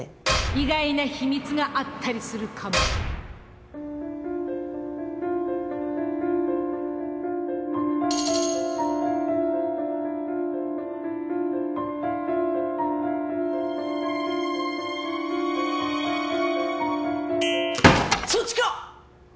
意外な秘密があったりするかもそっちか！？